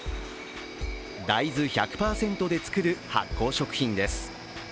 大豆１００％で作る発酵食品です。